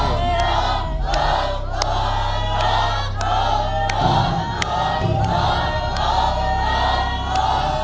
เยอะ